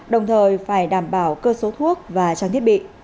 đồng thời phải đảm bảo cơ số thuốc và trang thiết bị